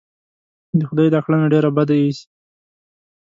د خدای دا کړنه ډېره بده اېسي.